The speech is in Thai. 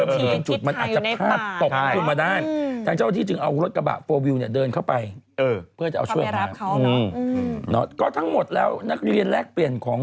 สูงกว่า๘๐เมตรเจ้าหน้าที่แจ้งให้ทั้งวันทั้งหมดอยู่ในที่